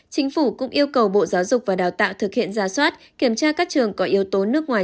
chính phủ cũng yêu cầu bộ giáo dục và đào tạo thực hiện ra soát kiểm tra các trường có yếu tố nước ngoài